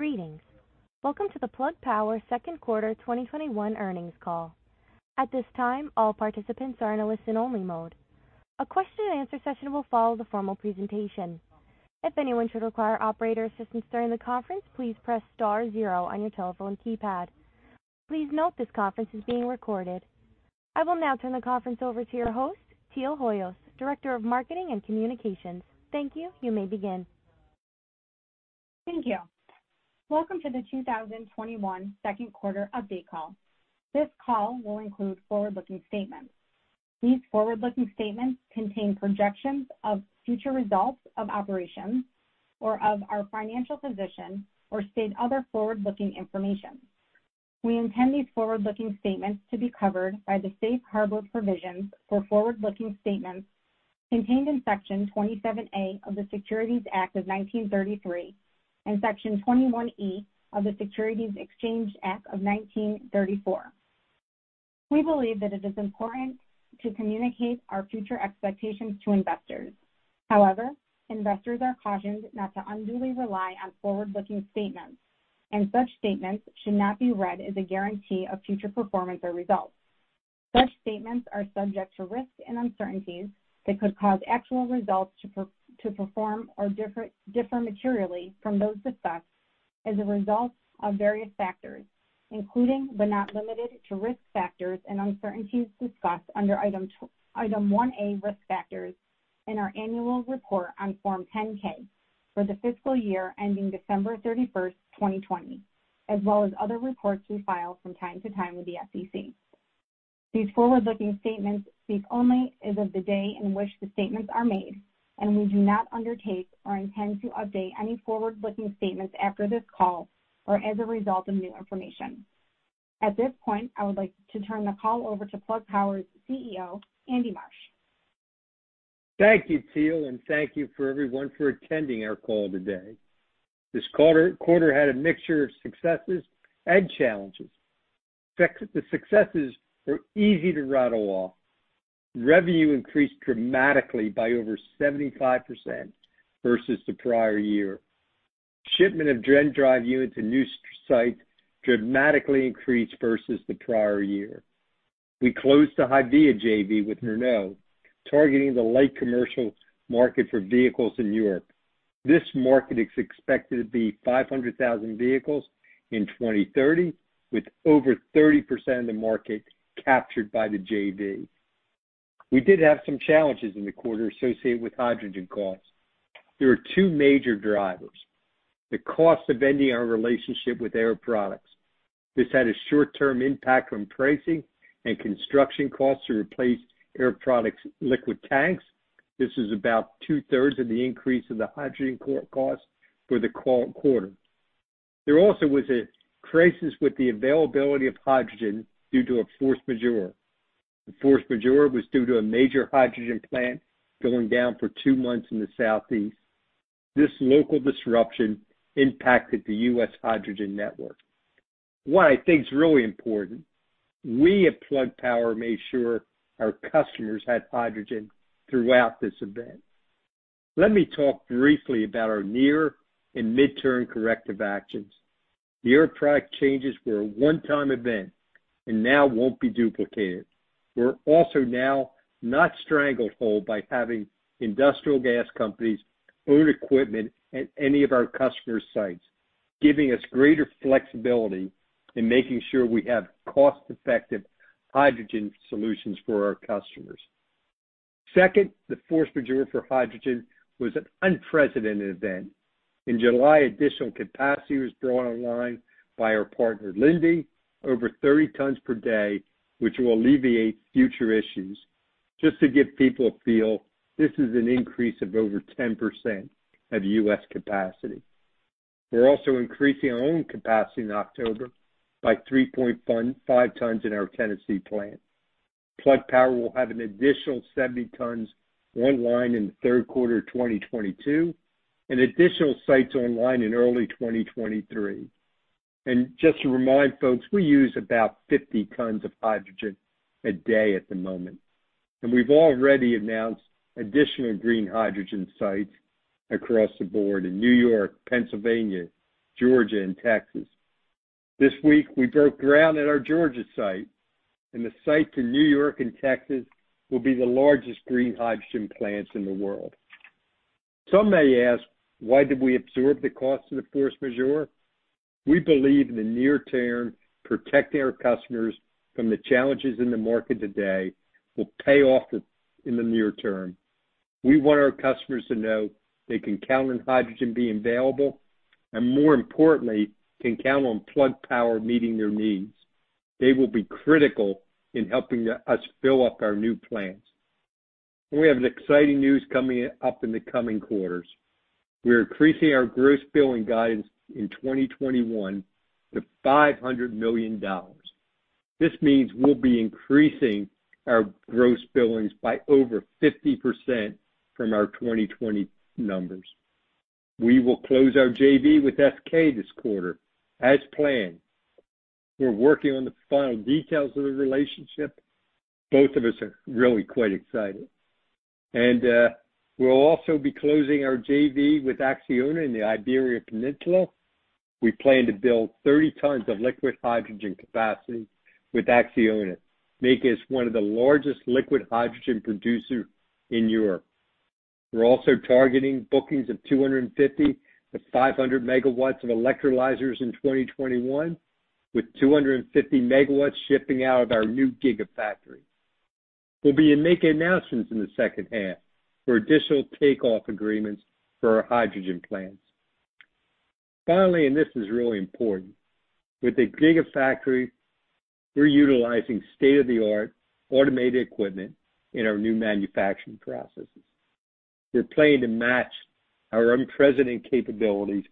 Greetings. Welcome to the Plug Power Q2 2021 earnings call. At this time, all participants are in a listen-only mode. A question and answer session will follow the formal presentation. If anyone should require operator assistance during the conference, please press star zero on your telephone keypad. Please note this conference is being recorded. I will now turn the conference over to your host, Teal Hoyos, Director of Marketing and Communications. Thank you. You may begin. Thank you. Welcome to the 2021 second quarter update call. This call will include forward-looking statements. These forward-looking statements contain projections of future results of operations or of our financial position or state other forward-looking information. We intend these forward-looking statements to be covered by the safe harbor provisions for forward-looking statements contained in Section 27A of the Securities Act of 1933 and Section 21E of the Securities Exchange Act of 1934. We believe that it is important to communicate our future expectations to investors. However, investors are cautioned not to unduly rely on forward-looking statements, and such statements should not be read as a guarantee of future performance or results. Such statements are subject to risks and uncertainties that could cause actual results to perform or differ materially from those discussed as a result of various factors, including but not limited to, risk factors and uncertainties discussed under Item 1A Risk Factors in our annual report on Form 10-K for the fiscal year ending December 31st, 2020, as well as other reports we file from time to time with the SEC. These forward-looking statements speak only as of the day in which the statements are made, and we do not undertake or intend to update any forward-looking statements after this call or as a result of new information. At this point, I would like to turn the call over to Plug Power's CEO, Andy Marsh. Thank you, Teal, thank you for everyone for attending our call today. This quarter had a mixture of successes and challenges. The successes are easy to rattle off. Revenue increased dramatically by over 75% versus the prior year. Shipment of GenDrive units and new sites dramatically increased versus the prior year. We closed the HYVIA JV with Renault, targeting the light commercial market for vehicles in Europe. This market is expected to be 500,000 vehicles in 2030, with over 30% of the market captured by the JV. We did have some challenges in the quarter associated with hydrogen costs. There are two major drivers, the cost of ending our relationship with Air Products. This had a short-term impact on pricing and construction costs to replace Air Products liquid tanks. This is about two-thirds of the increase in the hydrogen cost for the quarter. There also was a crisis with the availability of hydrogen due to a force majeure. The force majeure was due to a major hydrogen plant going down for two months in the Southeast. This local disruption impacted the U.S. hydrogen network. What I think is really important, we at Plug Power made sure our customers had hydrogen throughout this event. Let me talk briefly about our near and midterm corrective actions. The Air Products changes were a one-time event and now won't be duplicated. We're also now not stranglehold by having industrial gas companies own equipment at any of our customer sites, giving us greater flexibility in making sure we have cost-effective hydrogen solutions for our customers. Second, the force majeure for hydrogen was an unprecedented event. In July, additional capacity was brought online by our partner, Linde, over 30 tons per day, which will alleviate future issues. Just to give people a feel, this is an increase of over 10% of U.S. capacity. We're also increasing our own capacity in October by 3.5 tons in our Tennessee plant. Plug Power will have an additional 70 tons online in the Q3 of 2022, and additional sites online in early 2023. Just to remind folks, we use about 50 tons of hydrogen a day at the moment, and we've already announced additional green hydrogen sites across the board in New York, Pennsylvania, Georgia, and Texas. This week we broke ground at our Georgia site, and the sites in New York and Texas will be the largest green hydrogen plants in the world. Some may ask, why did we absorb the cost of the force majeure? We believe in the near term, protecting our customers from the challenges in the market today will pay off in the near term. We want our customers to know they can count on hydrogen being available and more importantly, can count on Plug Power meeting their needs. They will be critical in helping us fill up our new plants. We have exciting news coming up in the coming quarters. We are increasing our gross billing guidance in 2021 to $500 million. This means we'll be increasing our gross billings by over 50% from our 2020 numbers. We will close our JV with SK this quarter as planned. We're working on the final details of the relationship. Both of us are really quite excited. We'll also be closing our JV with ACCIONA in the Iberian Peninsula. We plan to build 30 tons of liquid hydrogen capacity with ACCIONA, making us one of the largest liquid hydrogen producer in Europe. We're also targeting bookings of 250-500 megawatts of electrolyzers in 2021, with 250 megawatts shipping out of our new gigafactory. We'll be making announcements in the second half for additional takeoff agreements for our hydrogen plants. Finally, and this is really important, with the gigafactory, we're utilizing state-of-the-art automated equipment in our new manufacturing processes. We're planning to match our unprecedented capabilities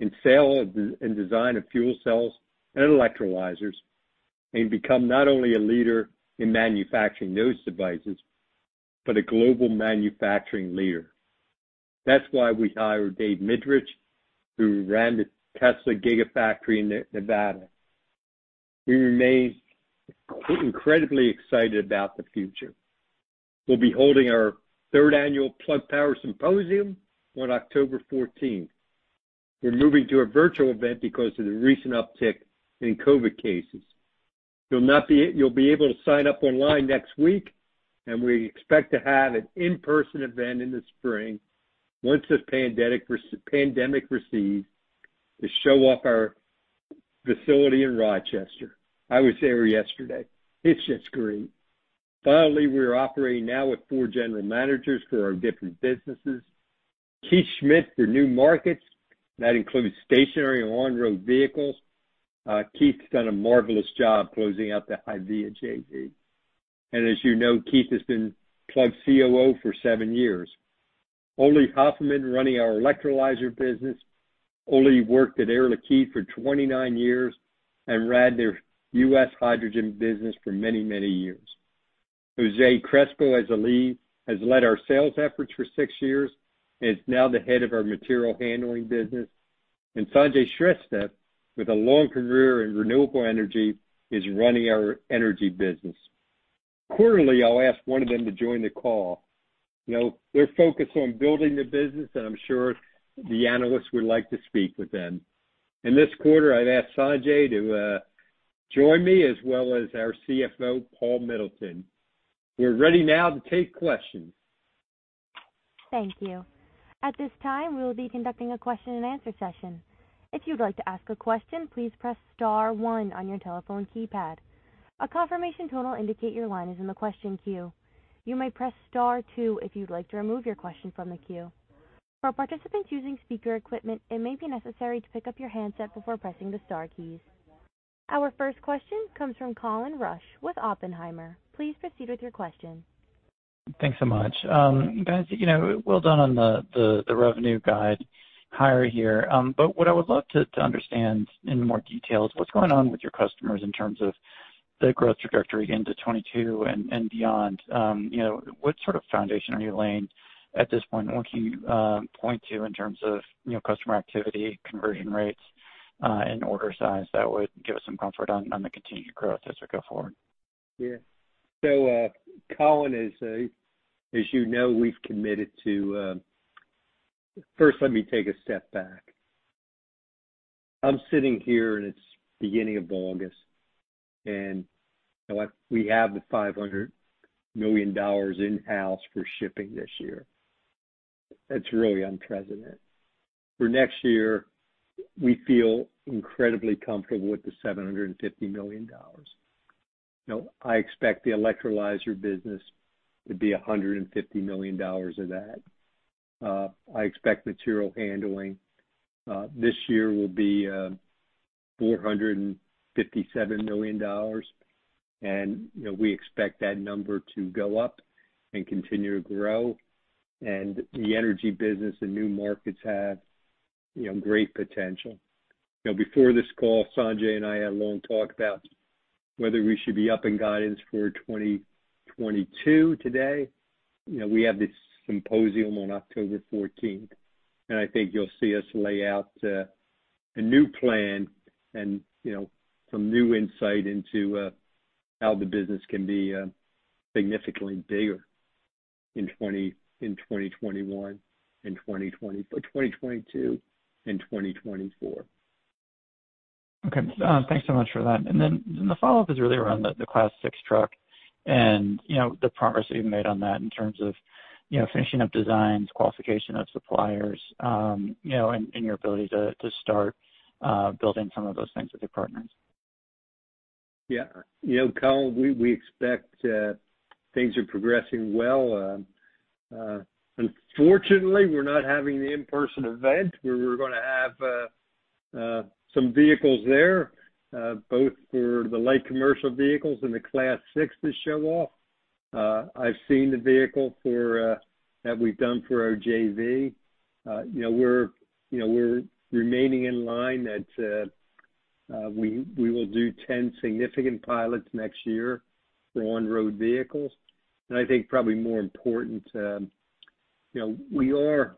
in sale and design of fuel cells and electrolyzers, and become not only a leader in manufacturing those devices, but a global manufacturing leader. That's why we hired David Mindnich, who ran the Tesla gigafactory in Nevada. We remain incredibly excited about the future. We'll be holding our third annual Plug Power Symposium on October 14th. We're moving to a virtual event because of the recent uptick in COVID cases. You'll be able to sign up online next week. We expect to have an in-person event in the spring once this pandemic recedes, to show off our facility in Rochester. I was there yesterday. It's just great. Finally, we are operating now with four general managers for our different businesses. Keith Schmid for New Markets, that includes stationary and on-road vehicles. Keith's done a marvelous job closing out the HYVIA JV. As you know, Keith has been Plug COO for seven years. Ole Hoefelmann, running our Electrolyzer Business. Ole worked at Air Liquide for 29 years and ran their U.S. hydrogen business for many, many years. Jose Crespo, as a lead, has led our sales efforts for six years and is now the head of our Material Handling Business. Sanjay Shrestha, with a long career in renewable energy, is running our energy business. Quarterly, I'll ask one of them to join the call. They're focused on building the business, and I'm sure the analysts would like to speak with them. In this quarter, I've asked Sanjay to join me, as well as our CFO, Paul Middleton. We're ready now to take questions. Thank you. Our first question comes from Colin Rusch with Oppenheimer. Please proceed with your question. Thanks so much. Guys, well done on the revenue guide higher here. What I would love to understand in more detail is what's going on with your customers in terms of the growth trajectory into 2022 and beyond. What sort of foundation are you laying at this point? What can you point to in terms of customer activity, conversion rates, and order size that would give us some comfort on the continued growth as we go forward? Yeah. Colin, as you know, we've committed. First, let me take a step back. I'm sitting here, and it's the beginning of August, and we have the $500 million in house for shipping this year. That's really unprecedented. For next year, we feel incredibly comfortable with the $750 million. Now, I expect the electrolyzer business to be $150 million of that. I expect material handling this year will be $457 million, and we expect that number to go up and continue to grow. The energy business and new markets have great potential. Before this call, Sanjay and I had a long talk about whether we should be upping guidance for 2022 today. We have this Plug Symposium on October 14th, and I think you'll see us lay out a new plan and some new insight into how the business can be significantly bigger in 2021, 2022, and 2024. Okay. Thanks so much for that. The follow-up is really around the Class six truck and the progress that you've made on that in terms of finishing up designs, qualification of suppliers, and your ability to start building some of those things with your partners. Yeah. Colin, we expect things are progressing well. Unfortunately, we're not having the in person event, where we were going to have some vehicles there, both for the light commercial vehicles and the Class six to show off. I've seen the vehicle that we've done for our JV. We're remaining in line that we will do 10 significant pilots next year for on-road vehicles. I think probably more important, we are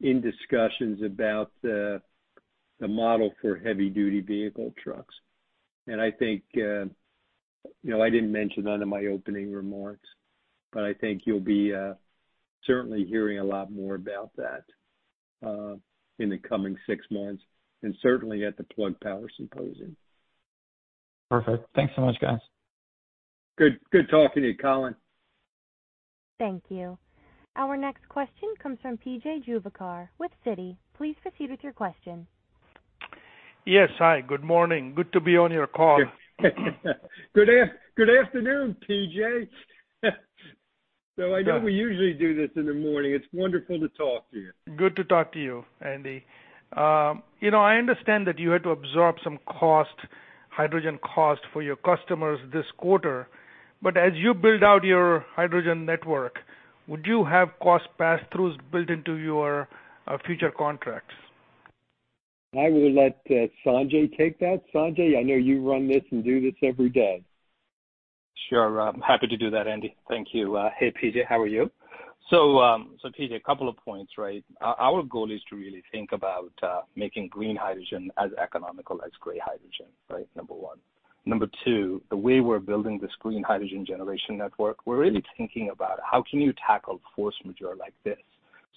in discussions about the model for heavy duty vehicle trucks. I think, I didn't mention that in my opening remarks, but I think you'll be certainly hearing a lot more about that in the coming six months and certainly at the Plug Symposium. Perfect. Thanks so much, guys. Good talking to you, Colin. Thank you. Our next question comes from P.J. Juvekar with Citi. Please proceed with your question. Yes. Hi, good morning. Good to be on your call. Good afternoon, P.J. I know we usually do this in the morning. It's wonderful to talk to you. Good to talk to you, Andy. I understand that you had to absorb some hydrogen cost for your customers this quarter, but as you build out your hydrogen network, would you have cost passthroughs built into your future contracts? I will let Sanjay take that. Sanjay, I know you run this and do this every day. Sure. I'm happy to do that, Andy. Thank you. Hey, P.J., how are you? P.J., a couple of points, right? Our goal is to really think about making green hydrogen as economical as gray hydrogen, right? Number one. Number two, the way we're building this green hydrogen generation network, we're really thinking about how can you tackle force majeure like this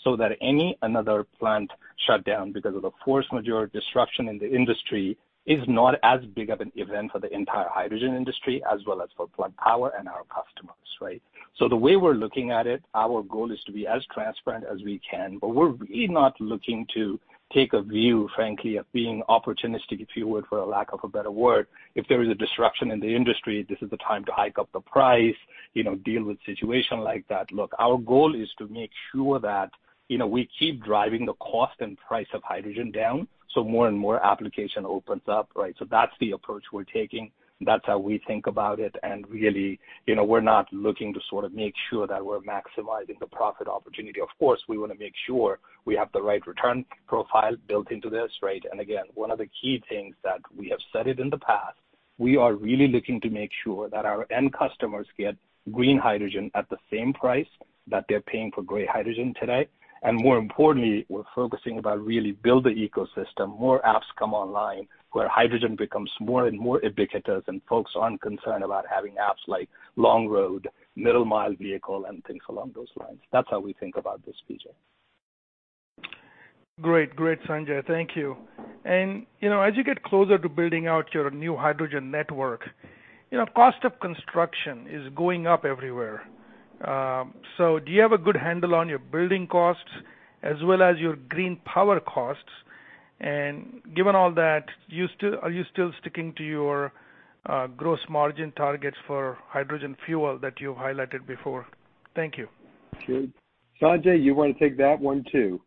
so that any another plant shut down because of a force majeure disruption in the industry is not as big of an event for the entire hydrogen industry as well as for Plug Power and our customers, right? The way we're looking at it, our goal is to be as transparent as we can. We're really not looking to take a view, frankly, of being opportunistic, if you would, for a lack of a better word. If there is a disruption in the industry, this is the time to hike up the price, deal with situation like that. Look, our goal is to make sure that we keep driving the cost and price of hydrogen down, so more and more application opens up, right? That's the approach we're taking. That's how we think about it, and really, we're not looking to sort of make sure that we're maximizing the profit opportunity. Of course, we want to make sure we have the right return profile built into this, right? Again, one of the key things that we have said it in the past, we are really looking to make sure that our end customers get green hydrogen at the same price that they're paying for gray hydrogen today. More importantly, we're focusing about really build the ecosystem, more apps come online, where hydrogen becomes more and more ubiquitous and folks aren't concerned about having apps like long-road, middle-mile vehicle, and things along those lines. That's how we think about this, P.J. Great, Sanjay. Thank you. As you get closer to building out your new hydrogen network, cost of construction is going up everywhere. Do you have a good handle on your building costs as well as your green power costs? Given all that, are you still sticking to your gross margin targets for hydrogen fuel that you highlighted before? Thank you. Sure. Sanjay, you want to take that one, too?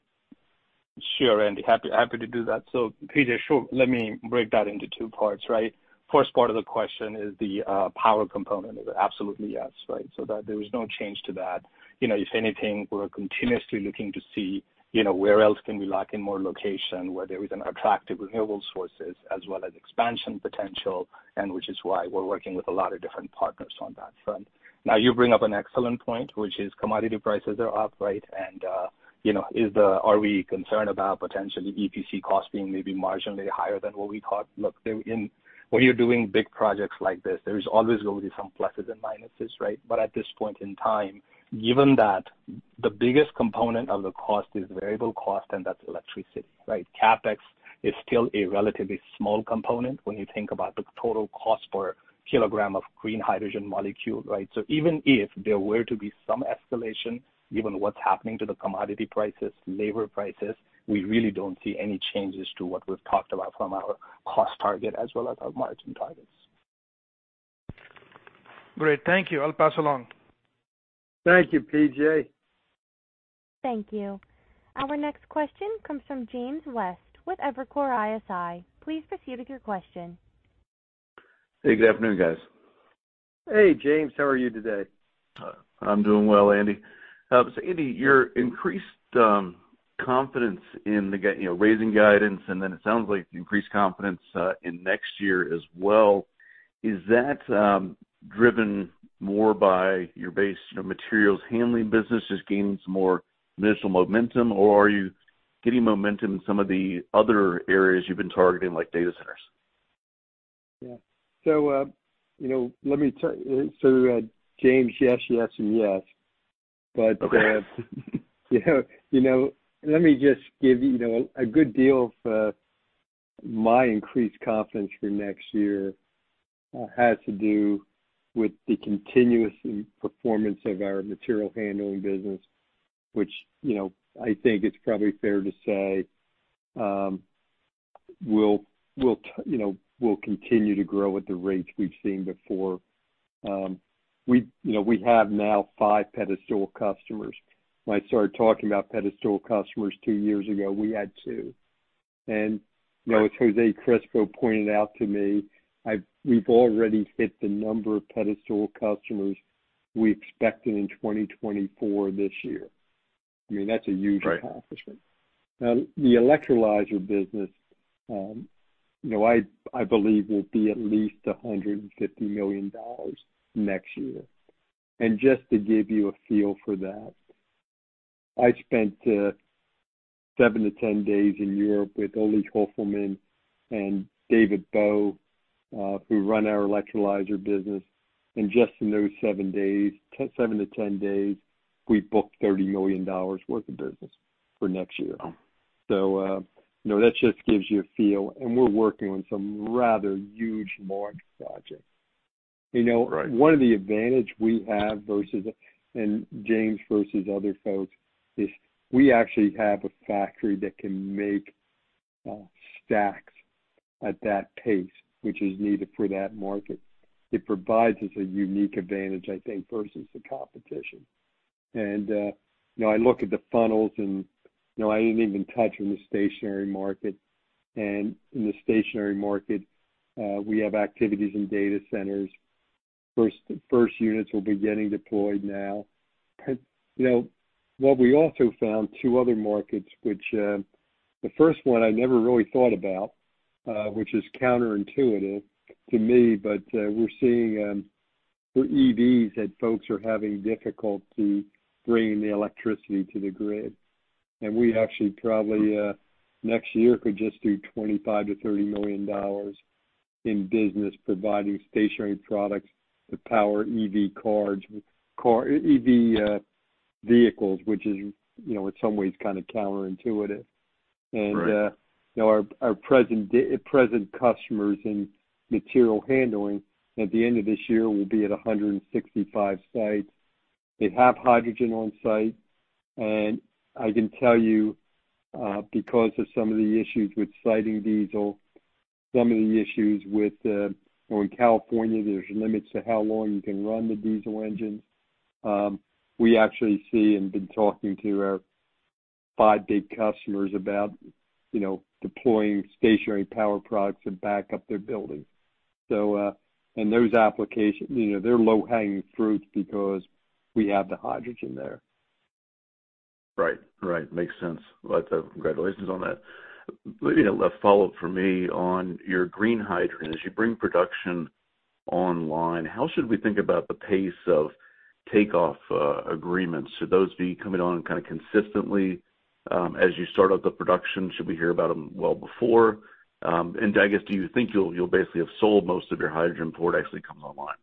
Sure, Andy. Happy to do that. PJ, sure, let me break that into two parts, right? First part of the question is the power component. Absolutely yes. Right? That there is no change to that. If anything, we're continuously looking to see where else can we lock in more location, where there is an attractive renewable sources as well as expansion potential, and which is why we're working with a lot of different partners on that front. You bring up an excellent point, which is commodity prices are up, right? Are we concerned about potentially EPC costs being maybe marginally higher than what we thought? Look, when you're doing big projects like this, there's always going to be some pluses and minuses, right? At this point in time, given that the biggest component of the cost is variable cost, and that's electricity, right? CapEx is still a relatively small component when you think about the total cost per kilogram of green hydrogen molecule, right? Even if there were to be some escalation, given what's happening to the commodity prices, labor prices, we really don't see any changes to what we've talked about from our cost target as well as our margin targets. Great. Thank you. I'll pass along. Thank you, P.J. Thank you. Our next question comes from James West with Evercore ISI. Please proceed with your question. Hey, good afternoon, guys. Hey, James. How are you today? I'm doing well, Andy. Andy, your increased confidence in raising guidance, and then it sounds like increased confidence in next year as well, is that driven more by your base materials handling business just gaining some more initial momentum, or are you getting momentum in some of the other areas you've been targeting, like data centers? Yeah. James, yes, and yes. Okay. Let me just give you a good deal for my increased confidence for next year has to do with the continuous performance of our material handling business, which I think it's probably fair to say will continue to grow at the rates we've seen before. We have now five pedestal customers. When I started talking about pedestal customers two years ago, we had two. As Jose Crespo pointed out to me, we've already hit the number of pedestal customers we expected in 2024 this year. I mean, that's a huge accomplishment. Right. The electrolyzer business I believe will be at least $150 million next year. Just to give you a feel for that, I spent seven to 10 days in Europe with Ole Hoefelmann and David Bowe, who run our electrolyzer business. Just in those seven to 10 days, we booked $30 million worth of business for next year. Wow. That just gives you a feel, and we're working on some rather huge market projects. Right. One of the advantages we have versus James versus other folks, is we actually have a factory that can make stacks at that pace, which is needed for that market. It provides us a unique advantage, I think, versus the competition. I look at the funnels, I didn't even touch on the stationary market, in the stationary market, we have activities in data centers. First units will be getting deployed now. What we also found, two other markets, which, the first one I never really thought about, which is counterintuitive to me, we're seeing for EVs that folks are having difficulty bringing the electricity to the grid. We actually probably, next year, could just do $25 million-$30 million in business providing stationary products to power EV vehicles, which is, in some ways counterintuitive. Right. Our present customers in material handling at the end of this year will be at 165 sites. They have hydrogen on site, and I can tell you, because of some of the issues with citing diesel, some of the issues with, in California, there's limits to how long you can run the diesel engine. We actually see and been talking to our five big customers about deploying stationary power products to back up their building. Those applications, they're low-hanging fruits because we have the hydrogen there. Right. Makes sense. Lots of congratulations on that. A follow-up from me on your green hydrogen. As you bring production online, how should we think about the pace of takeoff agreements? Should those be coming on kind of consistently as you start up the production? Should we hear about them well before? I guess, do you think you'll basically have sold most of your hydrogen before it actually comes online?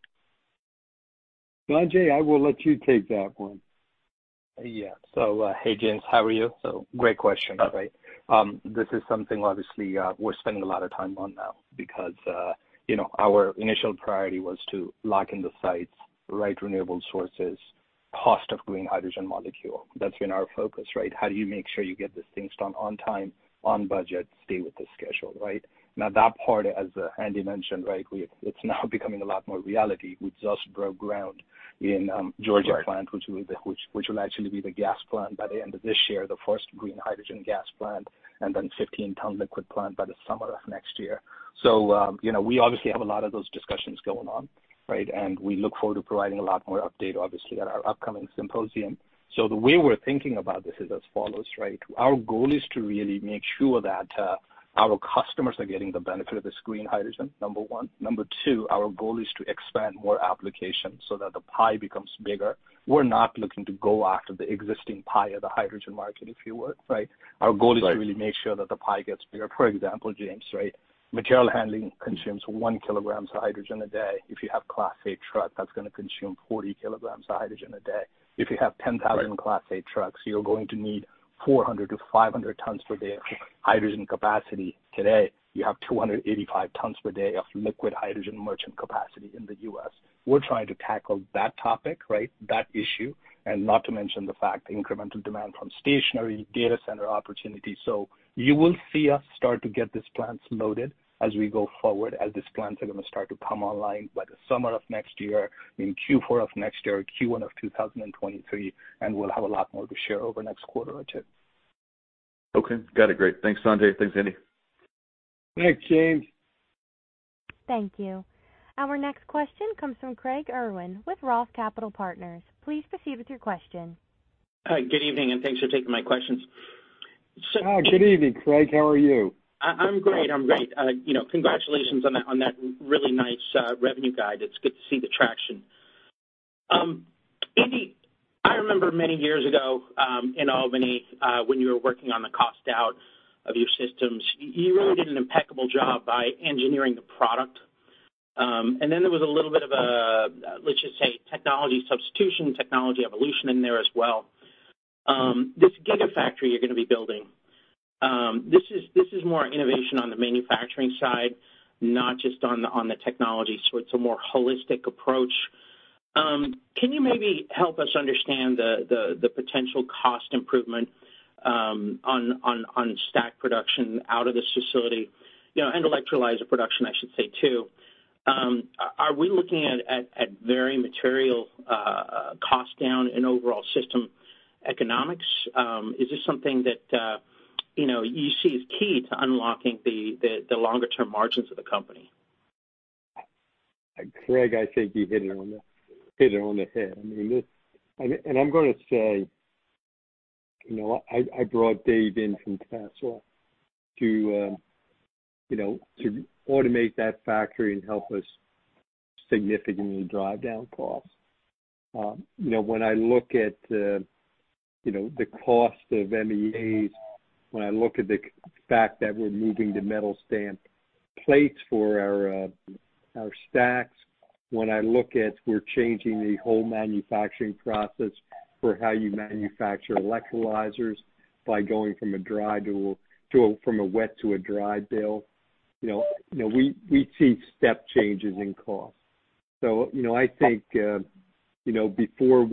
Sanjay, I will let you take that one. Yeah. Hey, James. How are you? Great question. Okay. This is something, obviously, we're spending a lot of time on now because our initial priority was to lock in the sites, right renewable sources, cost of green hydrogen molecule. That's been our focus, right? How do you make sure you get these things done on time, on budget, stay with the schedule, right? Now, that part, as Andy mentioned, it's now becoming a lot more reality. We just broke ground in Georgia plant. Right which will actually be the gas plant by the end of this year, the first green hydrogen gas plant, and then 15-ton liquid plant by the summer of next year. We obviously have a lot of those discussions going on, right, and we look forward to providing a lot more update, obviously, at our upcoming symposium. The way we're thinking about this is as follows, right? Our goal is to really make sure that our customers are getting the benefit of this green hydrogen, number one. Number two, our goal is to expand more applications so that the pie becomes bigger. We're not looking to go after the existing pie of the hydrogen market, if you would, right? Right. Our goal is to really make sure that the pie gets bigger. For example, James, right? Material handling consumes one kilogram of hydrogen a day. If you have Class eight truck, that's going to consume 40 kilograms of hydrogen a day. If you have 10,000 Class 8 trucks, you're going to need 400-500 tons per day of hydrogen capacity. Today, you have 285 tons per day of liquid hydrogen merchant capacity in the U.S. We're trying to tackle that topic, right, that issue, and not to mention the fact incremental demand from stationary data center opportunities. You will see us start to get these plants loaded as we go forward, as these plants are going to start to come online by the summer of next year, in Q4 of next year, Q1 of 2023, and we'll have a lot more to share over next quarter or two. Okay. Got it. Great. Thanks, Sanjay. Thanks, Andy. Thanks, James. Thank you. Our next question comes from Craig Irwin with Roth Capital Partners. Please proceed with your question. Hi, good evening, and thanks for taking my questions. Oh, good evening, Craig. How are you? I'm great. Congratulations on that really nice revenue guide. It's good to see the traction. Andy, I remember many years ago, in Albany, when you were working on the cost out of your systems, you really did an impeccable job by engineering the product. Then there was a little bit of a, let's just say, technology substitution, technology evolution in there as well. This gigafactory you're going to be building, this is more innovation on the manufacturing side, not just on the technology suite, so it's a more holistic approach. Can you maybe help us understand the potential cost improvement on stack production out of this facility, and electrolyzer production, I should say, too. Are we looking at very material cost down in overall system economics? Is this something that you see as key to unlocking the longer term margins of the company? Craig, I think you've hit it on the head. I mean, I brought Dave in from Tesla to automate that factory and help us significantly drive down costs. When I look at the cost of MEAs, when I look at the fact that we're moving to metal stamp plates for our stacks, when I look at we're changing the whole manufacturing process for how you manufacture electrolyzers by going from a wet to a dry build, we see step changes in cost. I think, before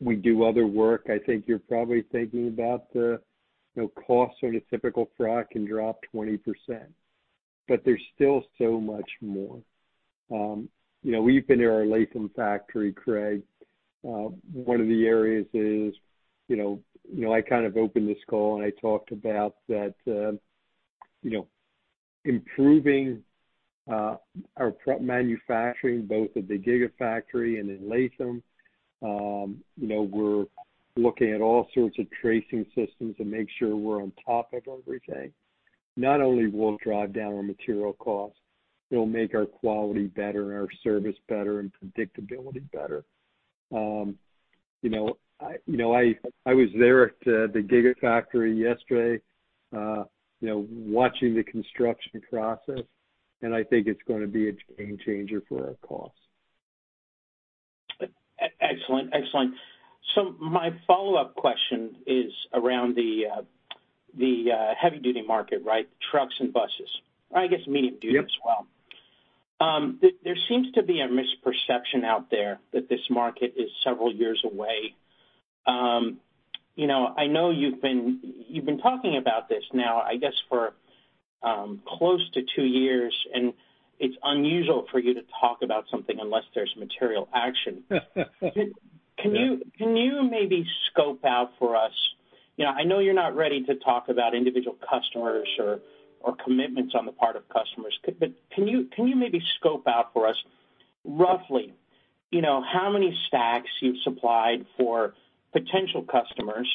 we do other work, I think you're probably thinking about the costs on a typical truck can drop 20%, but there's still so much more. We've been to our Latham factory, Craig. One of the areas is, I kind of opened this call, and I talked about that improving our prep manufacturing, both at the gigafactory and in Latham. We're looking at all sorts of tracing systems to make sure we're on top of everything. Not only will it drive down our material costs, it'll make our quality better and our service better and predictability better. I was there at the gigafactory yesterday, watching the construction process, and I think it's going to be a game changer for our costs. Excellent. My follow-up question is around the heavy-duty market, right? Trucks and buses. I guess medium-duty as well. Yep. There seems to be a misperception out there that this market is several years away. I know you've been talking about this now, I guess, for close to two years. It's unusual for you to talk about something unless there's material action. Yeah. Can you maybe scope out for us, I know you're not ready to talk about individual customers or commitments on the part of customers, but can you maybe scope out for us, roughly, how many stacks you've supplied for potential customers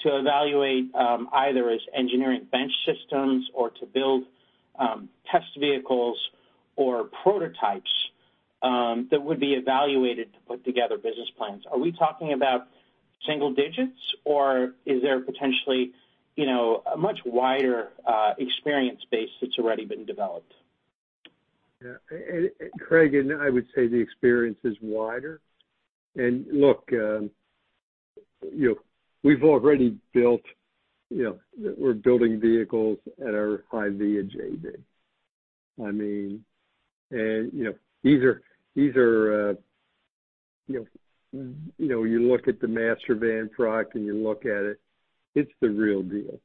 to evaluate, either as engineering bench systems or to build test vehicles or prototypes, that would be evaluated to put together business plans? Are we talking about single digits or is there potentially a much wider experience base that's already been developed? Yeah. Craig, I would say the experience is wider. Look, we're building vehicles at our HYVIA and JV. You look at the Master Van truck and you look at it's the real deal.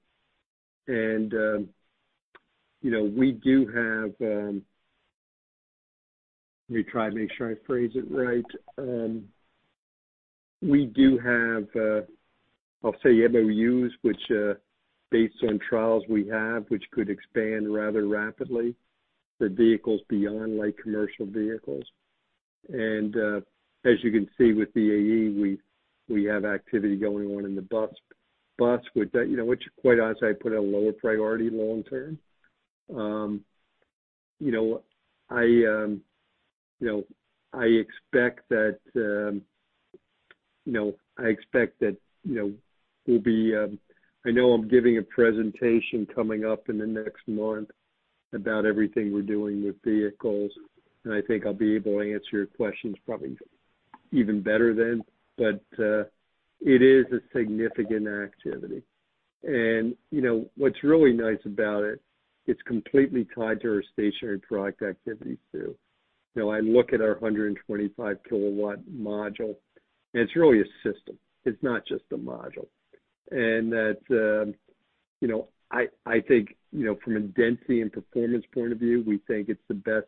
Let me try to make sure I phrase it right. We do have, I'll say, MOUs, based on trials we have, which could expand rather rapidly for vehicles beyond light commercial vehicles. As you can see with the AE, we have activity going on in the bus, which quite honestly I put at a lower priority long term. I know I'm giving a presentation coming up in the next month about everything we're doing with vehicles, and I think I'll be able to answer your questions probably even better than. It is a significant activity. What's really nice about it's completely tied to our stationary product activities, too. I look at our 125-kilowatt module, it's really a system. It's not just a module. That, I think, from a density and performance point of view, we think it's the best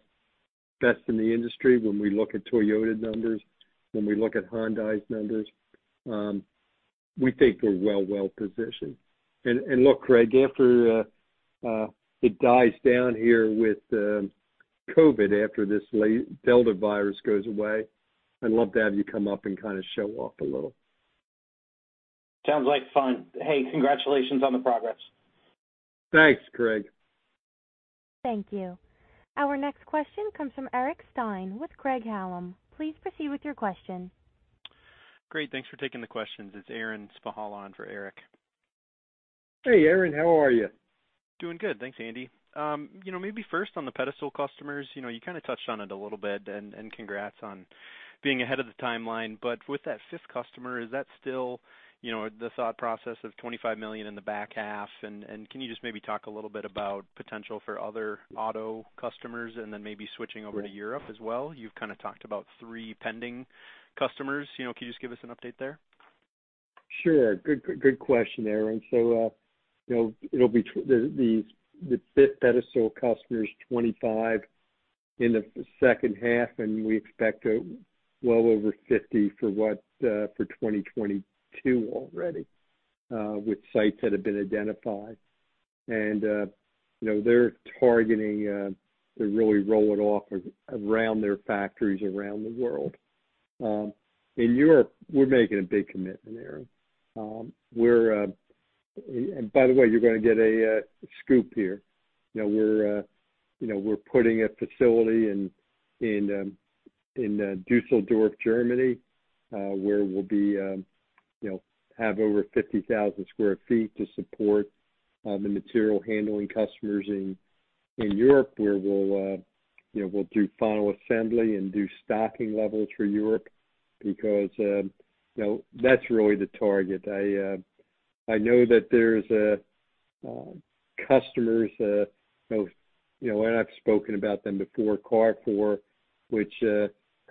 in the industry when we look at Toyota numbers, when we look at Hyundai's numbers. We think we're well positioned. Look, Craig, after it dies down here with COVID, after this Delta virus goes away, I'd love to have you come up and kind of show off a little. Sounds like fun. Hey, congratulations on the progress. Thanks, Craig. Thank you. Our next question comes from Eric Stine with Craig-Hallum. Please proceed with your question. Great. Thanks for taking the questions. It's Aaron Spychalla on for Eric. Hey, Aaron. How are you? Doing good. Thanks, Andy. Maybe first on the Pedestal customers, you kind of touched on it a little bit, and congrats on being ahead of the timeline. With that fifth customer, is that still the thought process of $25 million in the back half? Can you just maybe talk a little bit about potential for other auto customers and then maybe switching over to Europe as well? You've kind of talked about three pending customers. Can you just give us an update there? Sure. Good question, Aaron. The Pedestal customer is 25 in the second half, and we expect well over 50 for 2022 already, with sites that have been identified. They're targeting to really roll it off around their factories around the world. In Europe, we're making a big commitment there. By the way, you're going to get a scoop here. We're putting a facility in Düsseldorf, Germany, where we'll have over 50,000 sq ft to support the material handling customers in Europe, where we'll do final assembly and do stocking levels for Europe because that's really the target. I know that there's customers, and I've spoken about them before, Carrefour, which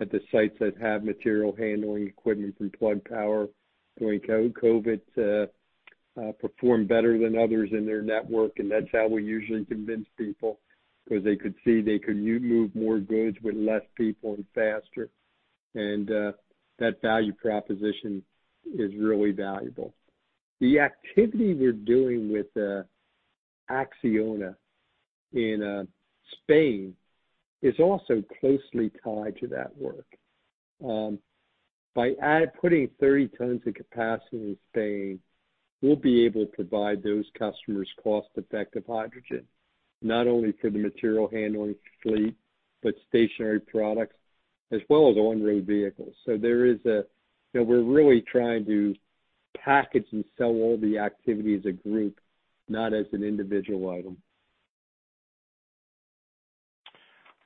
at the sites that have material handling equipment from Plug Power, during COVID, performed better than others in their network, and that's how we usually convince people, because they could see they could move more goods with less people and faster. That value proposition is really valuable. The activity we're doing with ACCIONA in Spain is also closely tied to that work. By putting 30 tons of capacity in Spain, we'll be able to provide those customers cost-effective hydrogen, not only for the material handling fleet, but stationary products, as well as on-road vehicles. We're really trying to package and sell all the activity as a group, not as an individual item.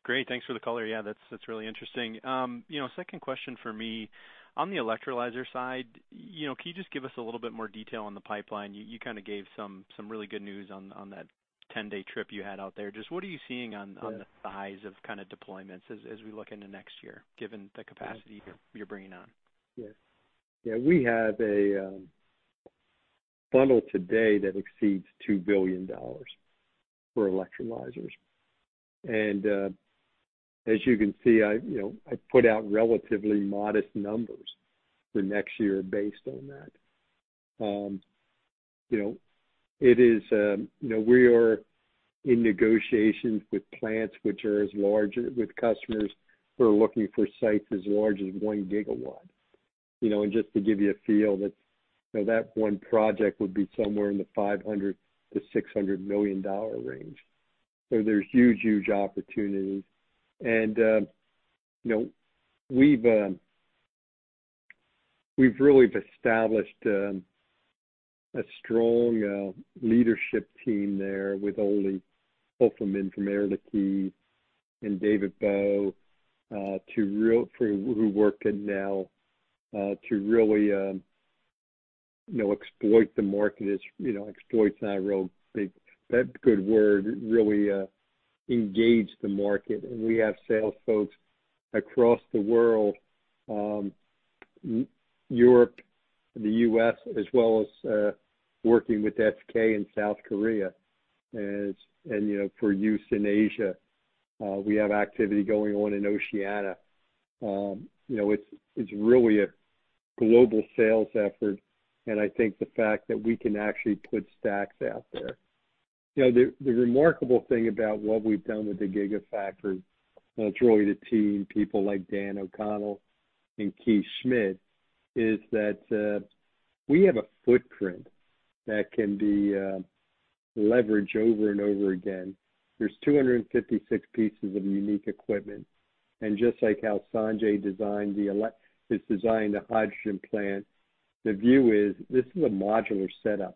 Great. Thanks for the color. Yeah, that's really interesting. Second question for me, on the electrolyzer side, can you just give us a little bit more detail on the pipeline? You kind of gave some really good news on that 10 day trip you had out there. Just what are you seeing on the size of deployments as we look into next year, given the capacity you're bringing on? Yeah. We have a funnel today that exceeds $2 billion for electrolyzers. As you can see, I put out relatively modest numbers for next year based on that. We are in negotiations with customers who are looking for sites as large as 1 gigawatt. Just to give you a feel, that one project would be somewhere in the $500 million-$600 million range. There's huge opportunities. We've really established a strong leadership team there with Ole Hoefelmann from Air Liquide and David Bowe, who work in Nel, to really exploit the market, exploit is not a real good word, really engage the market. We have sales folks across the world, Europe, the U.S., as well as working with SK in South Korea, and for use in Asia. We have activity going on in Oceania. It's really a global sales effort. I think the fact that we can actually put stacks out there. The remarkable thing about what we've done with the gigafactory, it's really the team, people like Dan O'Connell and Keith Schmid, is that we have a footprint that can be leveraged over and over again. There's 256 pieces of unique equipment. Just like how Sanjay has designed the hydrogen plant, the view is this is a modular setup.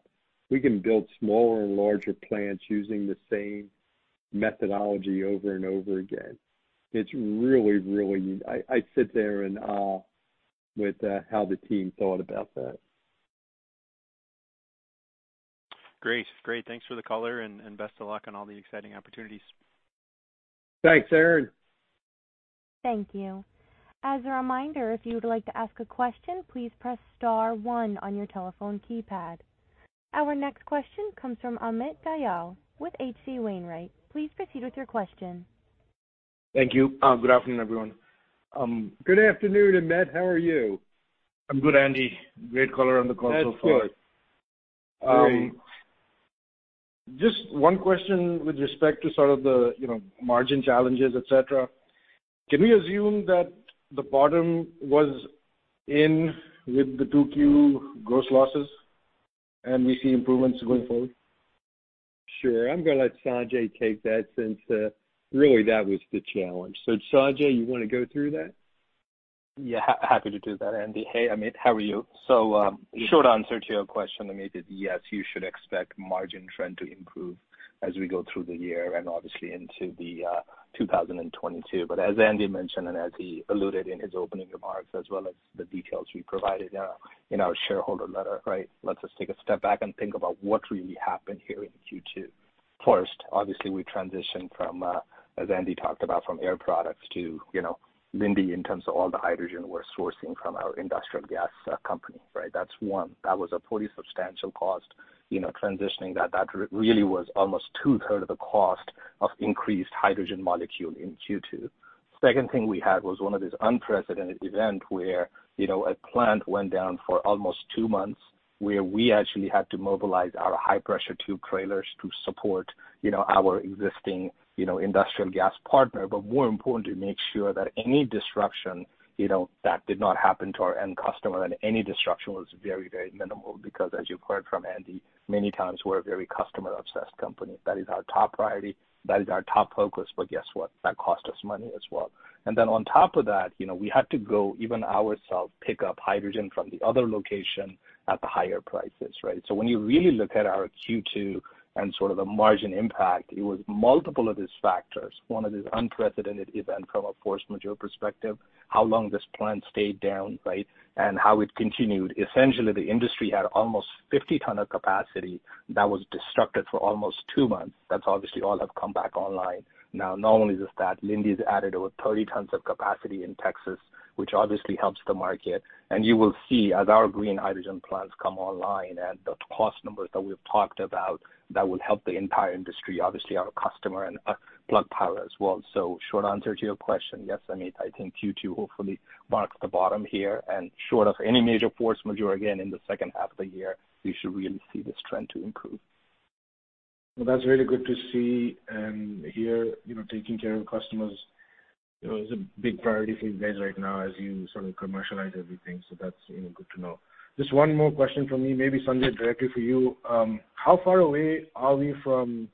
We can build smaller and larger plants using the same methodology over and over again. I sit there in awe with how the team thought about that. Great. Thanks for the color, and best of luck on all the exciting opportunities. Thanks, Aaron. Thank you. As a reminder, if you would like to ask a question, please press star one on your telephone keypad. Our next question comes from Amit Dayal with H.C. Wainwright. Please proceed with your question. Thank you. Good afternoon, everyone. Good afternoon, Amit. How are you? I'm good, Andy. Great color on the call so far. That's good. Great. Just one question with respect to sort of the margin challenges, et cetera. Can we assume that the bottom was in with the 2Q gross losses and we see improvements going forward? Sure. I'm going to let Sanjay take that since really that was the challenge. Sanjay, you want to go through that? Happy to do that, Andy. Hey, Amit, how are you? Short answer to your question, Amit, is yes, you should expect margin trend to improve as we go through the year and obviously into the 2022. As Andy mentioned, and as he alluded in his opening remarks, as well as the details we provided in our shareholder letter, let's just take a step back and think about what really happened here in Q2. First, obviously, we transitioned from, as Andy talked about, from Air Products to Linde in terms of all the hydrogen we're sourcing from our industrial gas company. That's one. That was a pretty substantial cost, transitioning that. That really was almost two-third of the cost of increased hydrogen molecule in Q2. Second thing we had was one of these unprecedented event where a plant went down for almost two months, where we actually had to mobilize our high-pressure tube trailers to support our existing industrial gas partner, more importantly, make sure that any disruption that did not happen to our end customer, and any disruption was very minimal. As you heard from Andy, many times, we're a very customer obsessed company. That is our top priority, that is our top focus. Guess what? That cost us money as well. On top of that, we had to go, even ourselves, pick up hydrogen from the other location at the higher prices. When you really look at our Q2 and sort of the margin impact, it was multiple of these factors. One of these unprecedented event from a force majeure perspective, how long this plant stayed down, and how it continued. The industry had almost 50 tons of capacity that was disrupted for almost two months. That's obviously all have come back online. Not only just that, Linde's added over 30 tons of capacity in Texas, which obviously helps the market. You will see as our green hydrogen plants come online and the cost numbers that we've talked about, that will help the entire industry, obviously our customer and Plug Power as well. Short answer to your question, yes, Amit, I think Q2 hopefully marks the bottom here, and short of any major force majeure again in the second half of the year, we should really see this trend to improve. That's really good to see and hear, taking care of customers is a big priority for you guys right now as you sort of commercialize everything. That's good to know. Just one more question from me, maybe Sanjay, directly for you. How far away are we from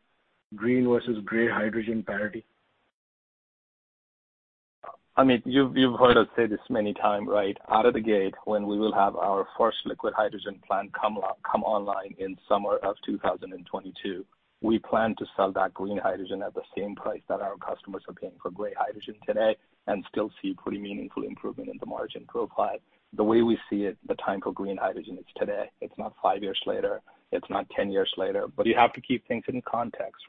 green versus gray hydrogen parity? Amit, you've heard us say this many time. Out of the gate, when we will have our first liquid hydrogen plant come online in summer of 2022, we plan to sell that green hydrogen at the same price that our customers are paying for gray hydrogen today and still see pretty meaningful improvement in the margin profile. The way we see it, the time for green hydrogen is today. It's not five years later, it's not 10 years later. You have to keep things in context.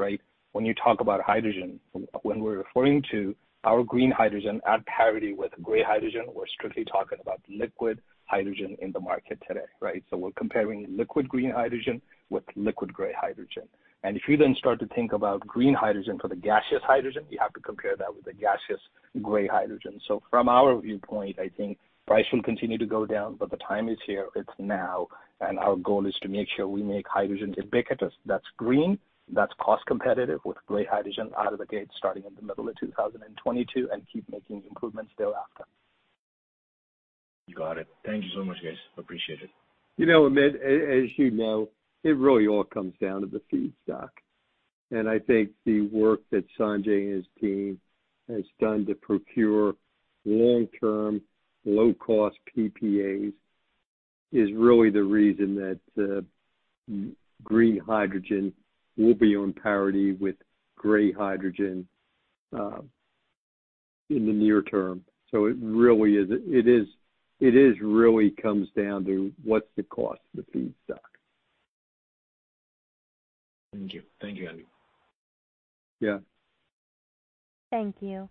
When you talk about hydrogen, when we're referring to our green hydrogen at parity with gray hydrogen, we're strictly talking about liquid hydrogen in the market today. We're comparing liquid green hydrogen with liquid gray hydrogen. If you then start to think about green hydrogen for the gaseous hydrogen, you have to compare that with the gaseous gray hydrogen. From our viewpoint, I think price will continue to go down, but the time is here, it's now, and our goal is to make sure we make hydrogen ubiquitous that's green, that's cost competitive with gray hydrogen out of the gate starting in the middle of 2022 and keep making improvements thereafter. Got it. Thank you so much, guys. Appreciate it. Amit, as you know, it really all comes down to the feedstock. I think the work that Sanjay and his team has done to procure long-term, low-cost PPAs is really the reason that green hydrogen will be on parity with gray hydrogen in the near term. It really comes down to what's the cost of the feedstock. Thank you, Andy. Yeah. Thank you.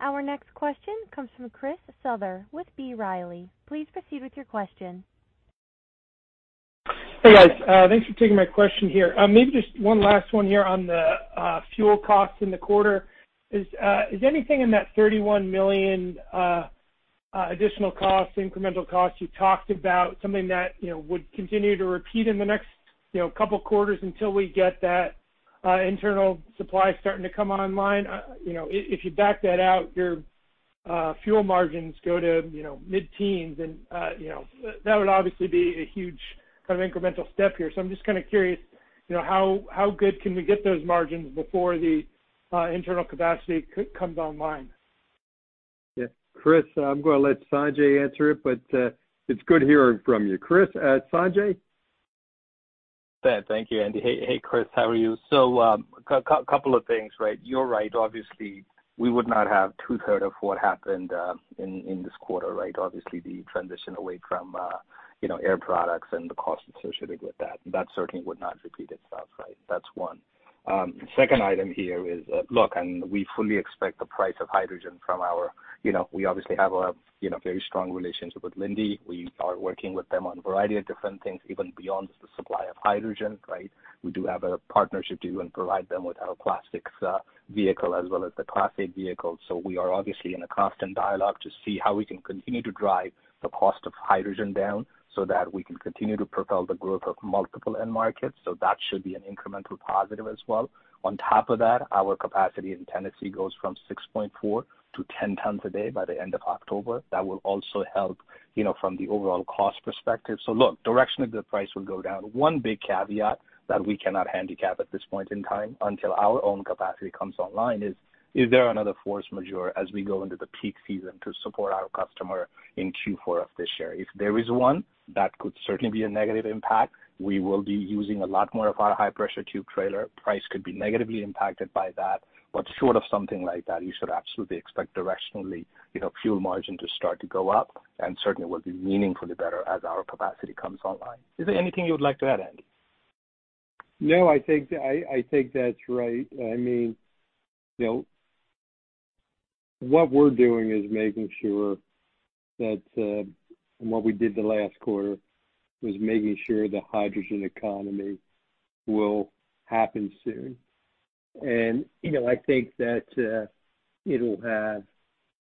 Our next question comes from Chris Souther with B. Riley. Please proceed with your question. Hey, guys. Thanks for taking my question here. Maybe just one last one here on the fuel cost in the quarter. Is anything in that $31 million additional cost, incremental cost you talked about something that would continue to repeat in the next couple quarters until we get that internal supply starting to come online? If you back that out, your fuel margins go to mid-teens, and that would obviously be a huge kind of incremental step here. I'm just kind of curious, how good can we get those margins before the internal capacity comes online? Yeah. Chris, I'm going to let Sanjay answer it, but it's good hearing from you, Chris. Sanjay? Thank you, Andy. Hey, Chris. How are you? Couple of things. You're right, obviously, we would not have two-third of what happened in this quarter. Obviously, the transition away from Air Products and the cost associated with that. That certainly would not repeat itself. That's one. Second item here is, look, and we fully expect the price of hydrogen from our-- We obviously have a very strong relationship with Linde. We are working with them on a variety of different things, even beyond just the supply of hydrogen. We do have a partnership to go and provide them with our plastics vehicle as well as the Class 8 vehicles. We are obviously in a constant dialogue to see how we can continue to drive the cost of hydrogen down so that we can continue to propel the growth of multiple end markets. That should be an incremental positive as well. On top of that, our capacity in Tennessee goes from 6.4 - 10 tons a day by the end of October. That will also help from the overall cost perspective. Look, direction of the price will go down. One big caveat that we cannot handicap at this point in time until our own capacity comes online is there another force majeure as we go into the peak season to support our customer in Q4 of this year? If there is one, that could certainly be a negative impact. We will be using a lot more of our high-pressure tube trailer. Price could be negatively impacted by that, but short of something like that, you should absolutely expect directionally fuel margin to start to go up, and certainly will be meaningfully better as our capacity comes online. Is there anything you would like to add, Andy? No, I think that's right. I mean, what we're doing, and what we did the last quarter, was making sure the hydrogen economy will happen soon. I think that it'll have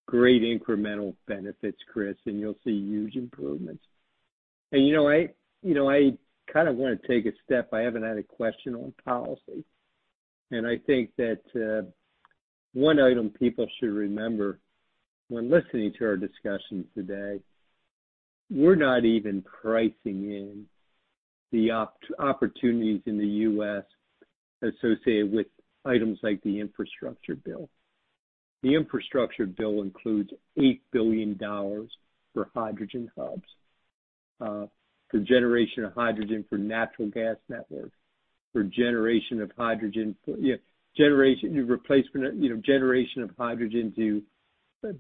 great incremental benefits, Chris, and you'll see huge improvements. I kind of want to take a step, I haven't had a question on policy, and I think that one item people should remember when listening to our discussion today, we're not even pricing in the opportunities in the U.S. associated with items like the infrastructure bill. The infrastructure bill includes $8 billion for hydrogen hubs, for generation of hydrogen for natural gas networks, for generation of hydrogen to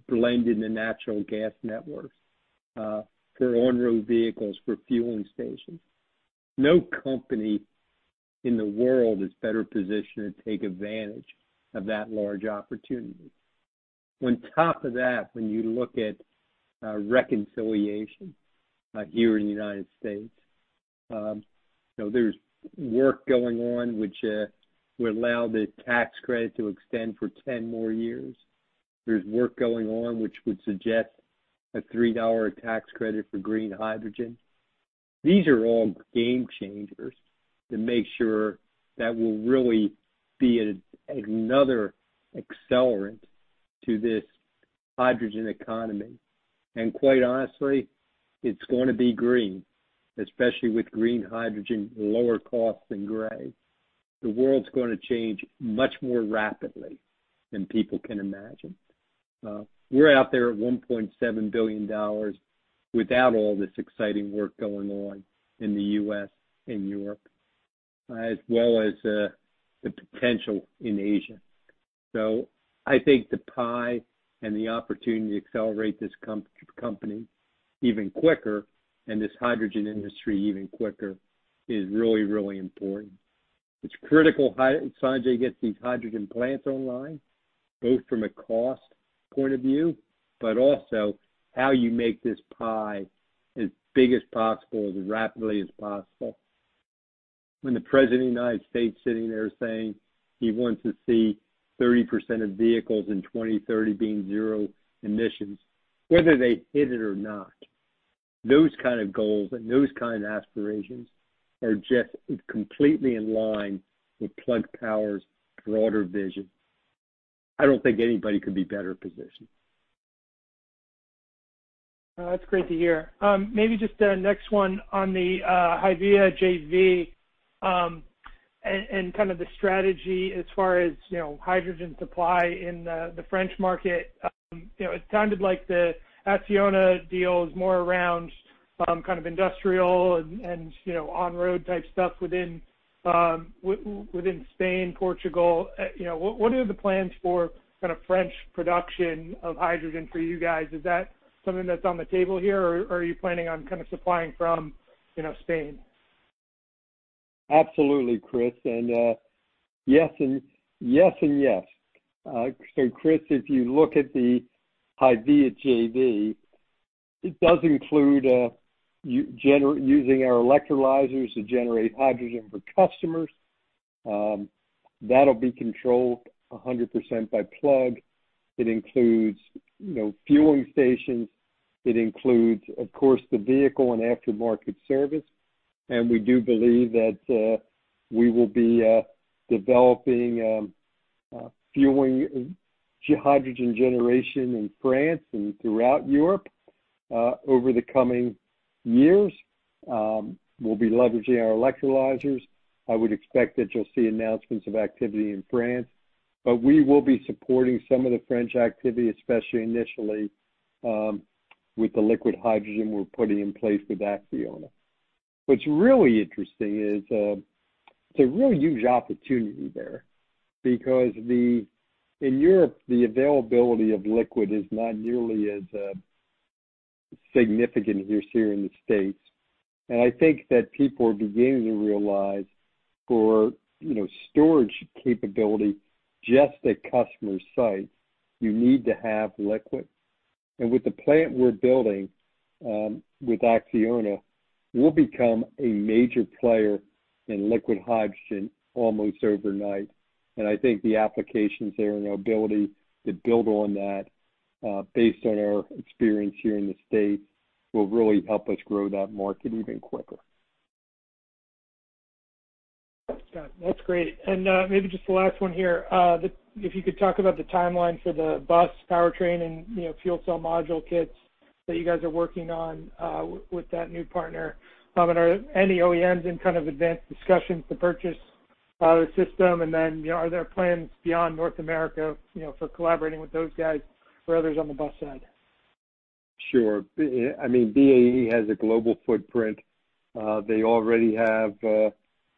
blend in the natural gas networks, for on road vehicles, for fueling stations. No company in the world is better positioned to take advantage of that large opportunity. On top of that, when you look at reconciliation here in the U.S., there's work going on which would allow the tax credit to extend for 10 more years. There's work going on which would suggest a $3 tax credit for green hydrogen. These are all game changers to make sure that will really be another accelerant to this hydrogen economy. Quite honestly, it's going to be green, especially with green hydrogen lower cost than gray. The world's going to change much more rapidly than people can imagine. We're out there at $1.7 billion without all this exciting work going on in the U.S. and Europe, as well as the potential in Asia. I think the pie and the opportunity to accelerate this company even quicker, and this hydrogen industry even quicker, is really, really important. It's critical Sanjay gets these hydrogen plants online, both from a cost point of view, but also how you make this pie as big as possible, as rapidly as possible. When the President of the United States sitting there saying he wants to see 30% of vehicles in 2030 being zero emissions, whether they hit it or not, those kind of goals and those kind of aspirations are just completely in line with Plug Power's broader vision. I don't think anybody could be better positioned. That's great to hear. Maybe just the next one on the HYVIA JV, and kind of the strategy as far as hydrogen supply in the French market. It sounded like the ACCIONA deal is more around kind of industrial and on-road type stuff within Spain, Portugal. What are the plans for kind of French production of hydrogen for you guys? Is that something that's on the table here, or are you planning on kind of supplying from Spain? Absolutely, Chris. Yes and yes. Chris, if you look at the HYVIA JV, it does include using our electrolyzers to generate hydrogen for customers. That'll be controlled 100% by Plug. It includes fueling stations. It includes, of course, the vehicle and aftermarket service. We do believe that we will be developing fueling hydrogen generation in France and throughout Europe over the coming years. We'll be leveraging our electrolyzers. I would expect that you'll see announcements of activity in France. We will be supporting some of the French activity, especially initially with the liquid hydrogen we're putting in place with ACCIONA. What's really interesting is there's a real huge opportunity there, because in Europe, the availability of liquid is not nearly as significant as here in the U.S. I think that people are beginning to realize for storage capability, just at customers' sites, you need to have liquid. With the plant we're building with ACCIONA, we'll become a major player in liquid hydrogen almost overnight. I think the applications there and our ability to build on that based on our experience here in the U.S. will really help us grow that market even quicker. Got it. That's great. Maybe just the last one here, if you could talk about the timeline for the bus powertrain and fuel cell module kits that you guys are working on with that new partner. Are any OEMs in kind of advanced discussions to purchase the system? Are there plans beyond North America for collaborating with those guys or others on the bus side? Sure. I mean, BAE has a global footprint. They already have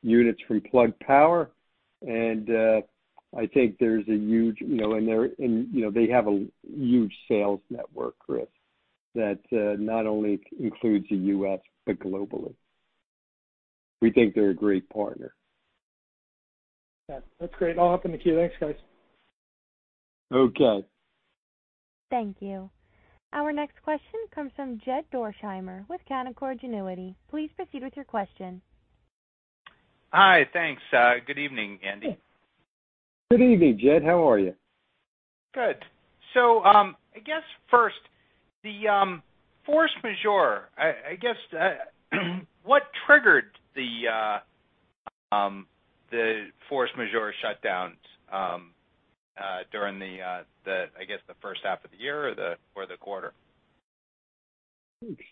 units from Plug Power, and they have a huge sales network, Chris, that not only includes the U.S., but globally. We think they're a great partner. Yeah. That's great. I'll hop in the queue. Thanks, guys. Okay. Thank you. Our next question comes from Jed Dorsheimer with Canaccord Genuity. Please proceed with your question. Hi. Thanks. Good evening, Andy. Good evening, Jed. How are you? Good. I guess first, the force majeure. I guess what triggered the force majeure shutdowns during the, I guess, the first half of the year or the quarter?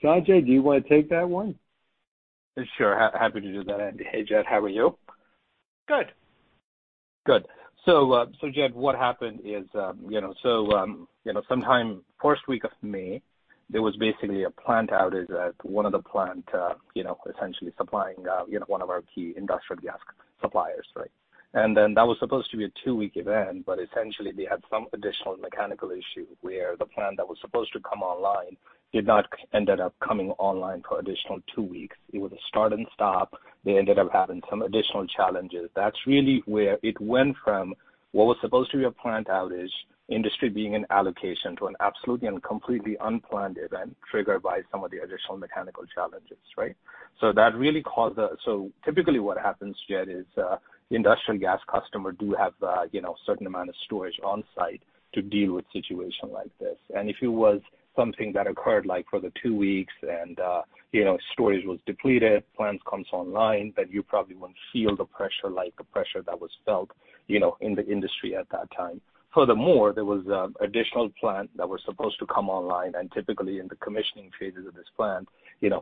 Sanjay, do you want to take that one? Sure. Happy to do that, Andy. Hey, Jed. How are you? Good. Good. Jed, what happened is, sometime first week of May, there was basically a plant outage at one of the plant essentially supplying one of our key industrial gas suppliers. That was supposed to be a two-week event, but essentially they had some additional mechanical issue where the plant that was supposed to come online did not end up coming online for additional two weeks. It would start and stop. They ended up having some additional challenges. That's really where it went from what was supposed to be a plant outage, industry being an allocation, to an absolutely and completely unplanned event triggered by some of the additional mechanical challenges. Typically what happens, Jed, is industrial gas customer do have certain amount of storage on site to deal with situation like this. If it was something that occurred, like for the two weeks and storage was depleted, plants comes online, then you probably wouldn't feel the pressure, like the pressure that was felt in the industry at that time. Furthermore, there was additional plant that was supposed to come online, typically in the commissioning phases of this plant,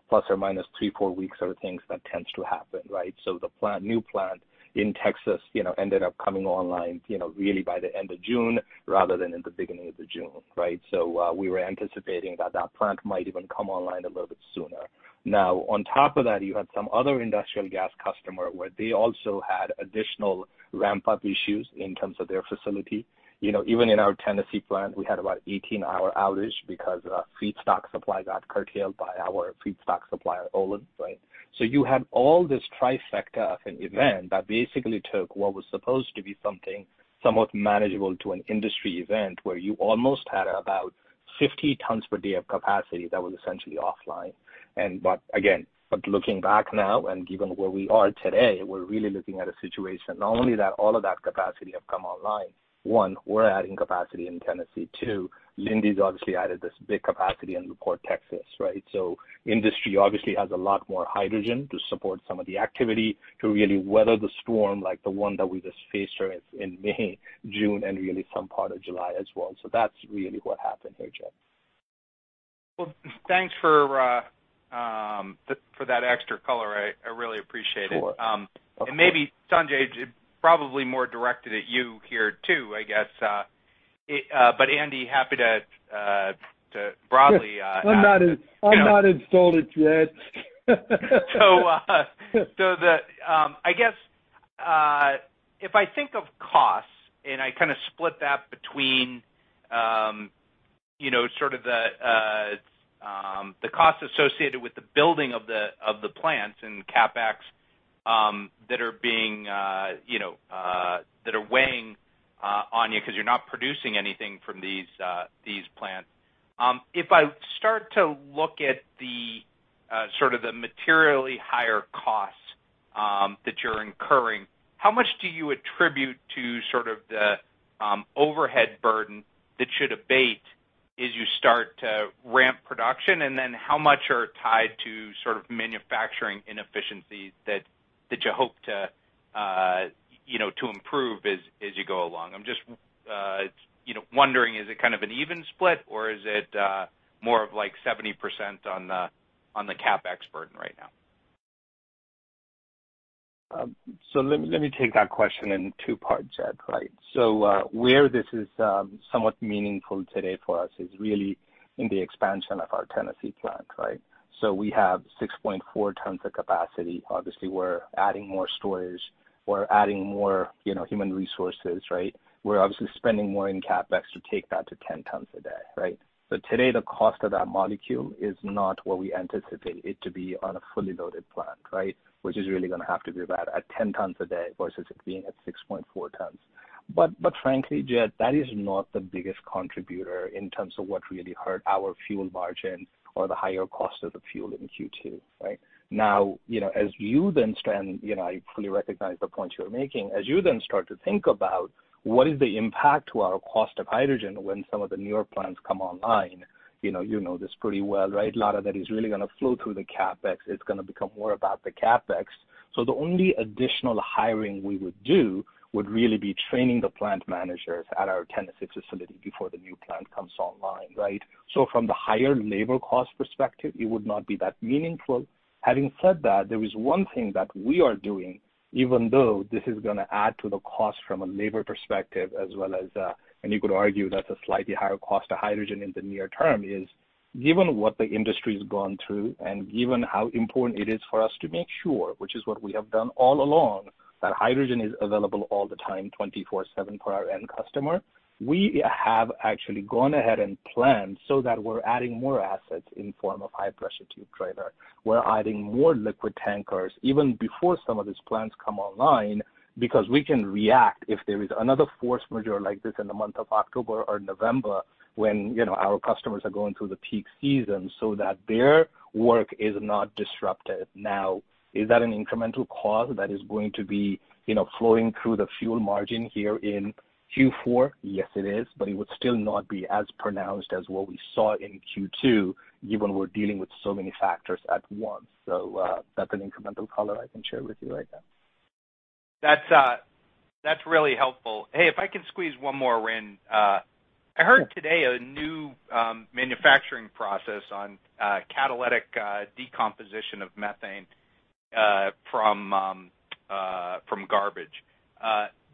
plus or minus three, four weeks are things that tends to happen. The new plant in Texas ended up coming online really by the end of June rather than in the beginning of the June. We were anticipating that that plant might even come online a little bit sooner. Now, on top of that, you had some other industrial gas customer where they also had additional ramp-up issues in terms of their facility. Even in our Tennessee plant, we had about 18-hour outage because our feedstock supply got curtailed by our feedstock supplier, Olin. You had all this trifecta of an event that basically took what was supposed to be something somewhat manageable to an industry event where you almost had about 50 tons per day of capacity that was essentially offline. Looking back now and given where we are today, we're really looking at a situation, not only that all of that capacity have come online. One, we're adding capacity in Tennessee. Two, Linde's obviously added this big capacity in La Porte, Texas. Industry obviously has a lot more hydrogen to support some of the activity to really weather the storm like the one that we just faced in May, June, and really some part of July as well. That's really what happened here, Jed. Well, thanks for that extra color. I really appreciate it. Sure. Okay. Maybe Sanjay, probably more directed at you here, too, I guess. Andy, happy to broadly-. I'm not insulted, Jed. I guess if I think of costs, and I split that between the costs associated with the building of the plants and CapEx that are weighing on you because you're not producing anything from these plants. If I start to look at the materially higher costs that you're incurring, how much do you attribute to the overhead burden that should abate as you start to ramp production? How much are tied to manufacturing inefficiencies that you hope to improve as you go along? I'm just wondering, is it an even split or is it more of 70% on the CapEx burden right now? Let me take that question in two parts, Jed. Where this is somewhat meaningful today for us is really in the expansion of our Tennessee plant. We have 6.4 tons of capacity. Obviously, we're adding more storage. We're adding more human resources. We're obviously spending more in CapEx to take that to 10 tons a day. Today, the cost of that molecule is not what we anticipate it to be on a fully loaded plant. Which is really going to have to be about at 10 tons a day versus it being at 6.4 tons. Frankly, Jed, that is not the biggest contributor in terms of what really hurt our fuel margin or the higher cost of the fuel in Q2. I fully recognize the point you're making. You then start to think about what is the impact to our cost of hydrogen when some of the newer plants come online, you know this pretty well. A lot of that is really going to flow through the CapEx. It is going to become more about the CapEx. The only additional hiring we would do would really be training the plant managers at our Tennessee facility before the new plant comes online. From the higher labor cost perspective, it would not be that meaningful. Having said that, there is one thing that we are doing, even though this is going to add to the cost from a labor perspective as well as, and you could argue that's a slightly higher cost of hydrogen in the near term, is given what the industry's gone through and given how important it is for us to make sure, which is what we have done all along, that hydrogen is available all the time, 24/7 for our end customer. We have actually gone ahead and planned so that we're adding more assets in form of high pressure tube trailer. We're adding more liquid tankers even before some of these plants come online because we can react if there is another force majeure like this in the month of October or November when our customers are going through the peak season so that their work is not disrupted. Is that an incremental cause that is going to be flowing through the fuel margin here in Q4? Yes, it is. It would still not be as pronounced as what we saw in Q2, given we're dealing with so many factors at once. That's an incremental color I can share with you right now. That's really helpful. Hey, if I can squeeze one more in. Sure. I heard today a new manufacturing process on catalytic decomposition of methane from garbage.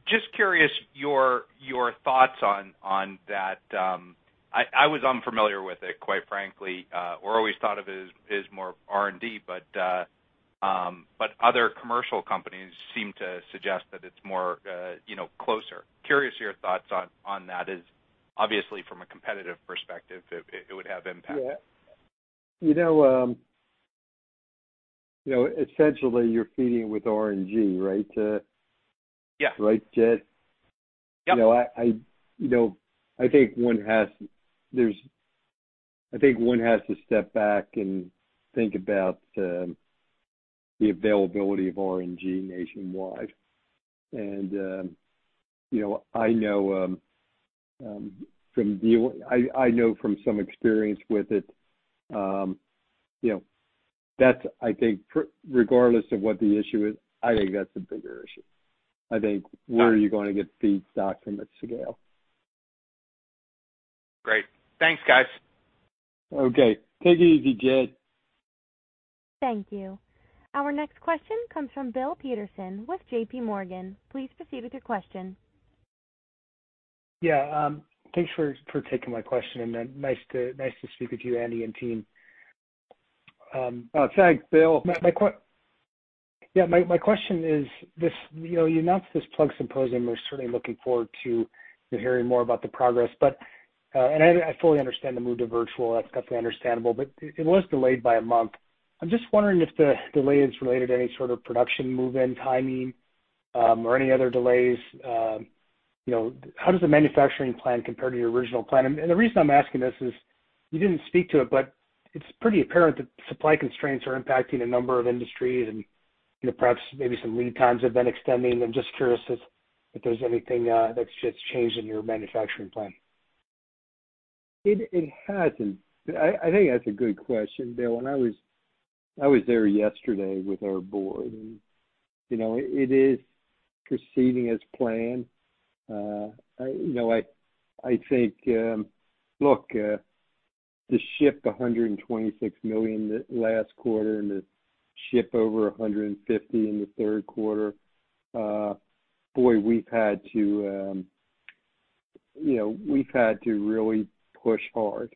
Just curious, your thoughts on that. I was unfamiliar with it, quite frankly, or always thought of it as more R&D. Other commercial companies seem to suggest that it's more closer. Curious, your thoughts on that as obviously from a competitive perspective, it would have impact. Yeah. Essentially you're feeding with RNG, right? Yeah. Right, Jed? Yep. I think one has to step back and think about the availability of RNG nationwide. I know from some experience with it, I think regardless of what the issue is, I think that's a bigger issue. I think where are you going to get feedstocks in this scale? Great. Thanks, guys. Okay. Take it easy, Jed. Thank you. Our next question comes from Bill Peterson with J.P. Morgan. Please proceed with your question. Yeah. Thanks for taking my question, and nice to speak with you, Andy and team. Oh, thanks, Bill. Yeah. My question is, you announced this Plug Symposium. We're certainly looking forward to hearing more about the progress. I fully understand the move to virtual, that's definitely understandable, but it was delayed by a month. I'm just wondering if the delay is related to any sort of production move in timing, or any other delays. How does the manufacturing plan compare to your original plan? The reason I'm asking this is, you didn't speak to it, but it's pretty apparent that supply constraints are impacting a number of industries and perhaps maybe some lead times have been extending. I'm just curious if there's anything that's just changed in your manufacturing plan. It hasn't. I think that's a good question, Bill. I was there yesterday with our board and it is proceeding as planned. I think, look, to ship $126 million last quarter and to ship over $150 million in the third quarter, boy, we've had to really push hard.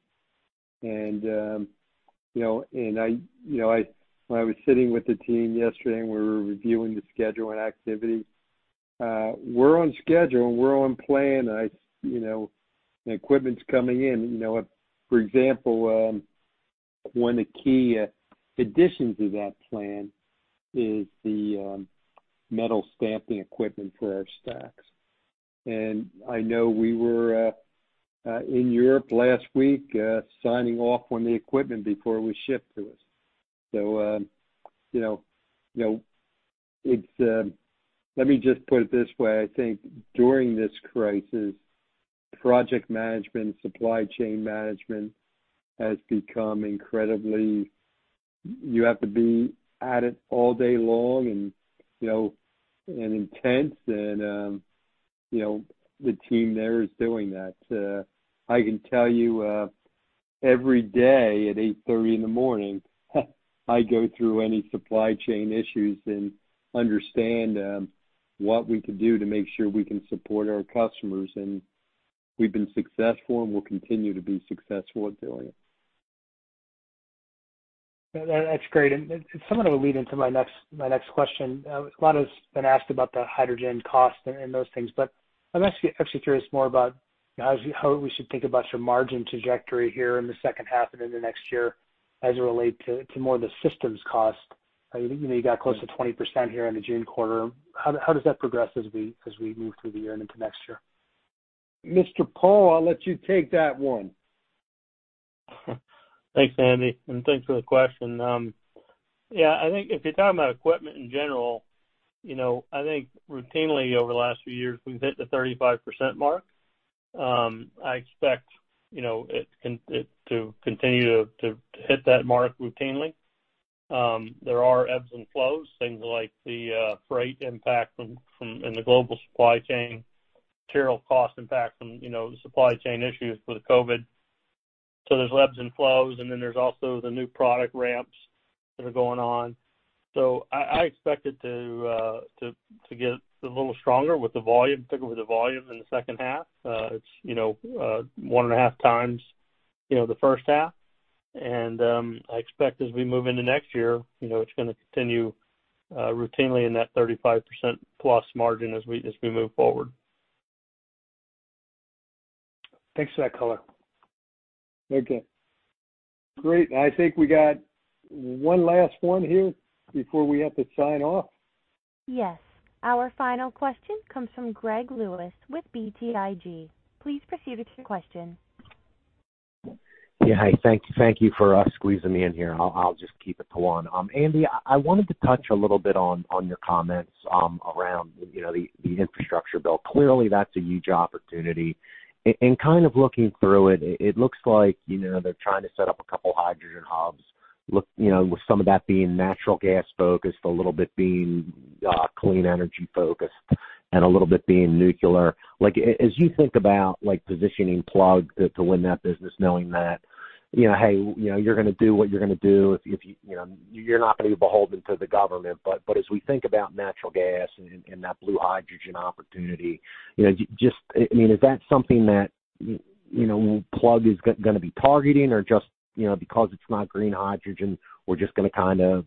When I was sitting with the team yesterday and we were reviewing the scheduling activity, we're on schedule and we're on plan. The equipment's coming in. For example, one of the key additions to that plan is the metal stamping equipment for our stacks. I know we were in Europe last week, signing off on the equipment before it was shipped to us. Let me just put it this way. I think during this crisis, project management, supply chain management has become incredibly You have to be at it all day long and intense, and the team there is doing that. I can tell you, every day at 8:30 in the morning, I go through any supply chain issues and understand what we could do to make sure we can support our customers. We've been successful, and we'll continue to be successful at doing it. That's great, and somewhat of a lead in to my next question. A lot has been asked about the hydrogen cost and those things, but I'm actually curious more about how we should think about your margin trajectory here in the second half and into next year as it relate to more the systems cost. You got close to 20% here in the June quarter. How does that progress as we move through the year and into next year? Mr. Paul, I'll let you take that one. Thanks, Andy. Thanks for the question. Yeah, I think if you're talking about equipment in general, I think routinely over the last few years, we've hit the 35% mark. I expect it to continue to hit that mark routinely. There are ebbs and flows, things like the freight impact in the global supply chain, material cost impact from the supply chain issues with the COVID. There's ebbs and flows. There's also the new product ramps that are going on. I expect it to get a little stronger with the volume, particularly with the volume in the second half. It's one and a half times the first half. I expect as we move into next year, it's going to continue routinely in that 35% plus margin as we move forward. Thanks for that color. Okay. Great. I think we got one last one here before we have to sign off. Yes. Our final question comes from Greg Lewis with BTIG. Please proceed with your question. Yeah, hi. Thank you for squeezing me in here. I'll just keep it to one. Andy, I wanted to touch a little bit on your comments around the infrastructure bill. That's a huge opportunity, and kind of looking through it looks like they're trying to set up a couple hydrogen hubs, with some of that being natural gas focused, a little bit being clean energy-focused, and a little bit being nuclear. As you think about positioning Plug to win that business, knowing that, hey, you're going to do what you're going to do. You're not going to be beholden to the government. As we think about natural gas and that blue hydrogen opportunity, is that something that Plug is going to be targeting? Just because it's not green hydrogen, we're just going to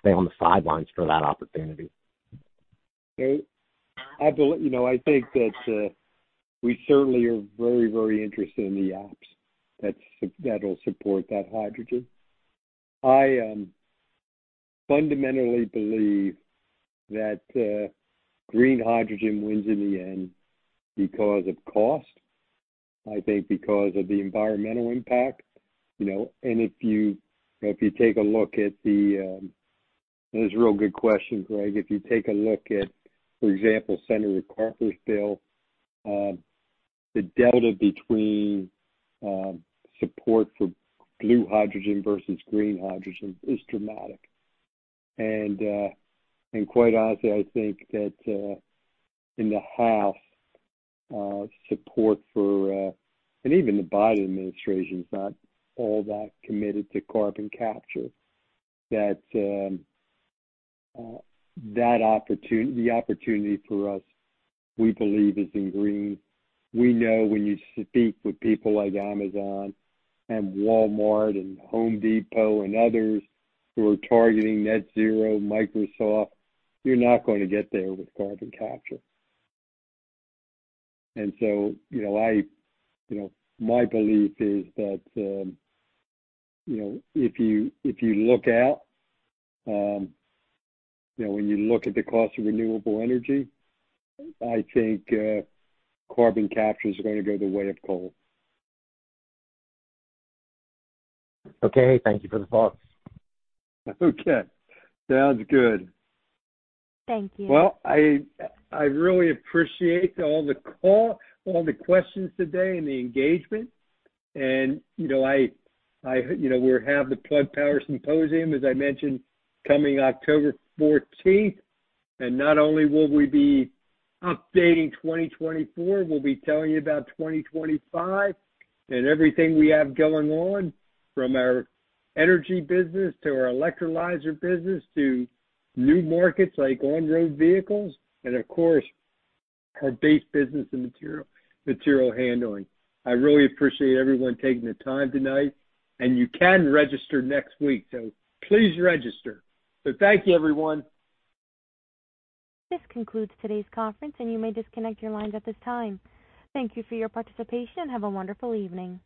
stay on the sidelines for that opportunity? I think that we certainly are very interested in the apps that will support that hydrogen. I fundamentally believe that green hydrogen wins in the end because of cost, I think because of the environmental impact. That is a real good question, Greg. If you take a look at, for example, Senator Carper's bill, the delta between support for blue hydrogen versus green hydrogen is dramatic. Quite honestly, I think that in the House, even the Biden administration's not all that committed to carbon capture. The opportunity for us, we believe, is in green. We know when you speak with people like Amazon and Walmart and Home Depot and others who are targeting net zero, Microsoft, you're not going to get there with carbon capture. My belief is that if you look out, when you look at the cost of renewable energy, I think carbon capture is going to go the way of coal. Okay. Thank you for the thoughts. Okay. Sounds good. Thank you. Well, I really appreciate all the call, all the questions today and the engagement. We have the Plug Power Symposium, as I mentioned, coming October 14th. Not only will we be updating 2024, we'll be telling you about 2025 and everything we have going on, from our energy business to our electrolyzer business to new markets like on road vehicles, and of course, our base business in material handling. I really appreciate everyone taking the time tonight. You can register next week, so please register. Thank you, everyone. This concludes today's conference, and you may disconnect your lines at this time. Thank you for your participation and have a wonderful evening.